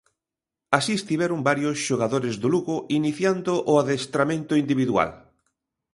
Así estiveron varios xogadores do Lugo iniciando o adestramento individual.